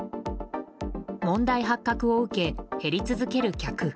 問題発覚を受け、減り続ける客。